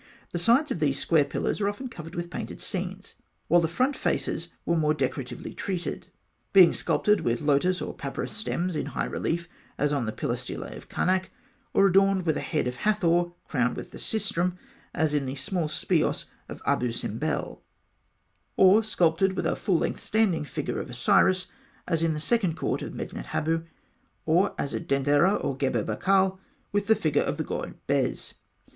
The sides of these square pillars are often covered with painted scenes, while the front faces were more decoratively treated, being sculptured with lotus or papyrus stems in high relief, as on the pillar stelae of Karnak, or adorned with a head of Hathor crowned with the sistrum, as in the small speos of Abû Simbel (fig. 57), or sculptured with a full length standing figure of Osiris, as in the second court of Medinet Habû; or, as at Denderah and Gebel Barkal, with the figure of the god Bes.